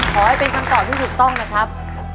ขอให้เป็นคำตอบที่ถูกต้องนะครับ